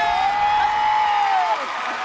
๒๖บาท